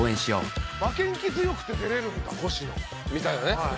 負けん気強くて出れるんだ越野みたいなね。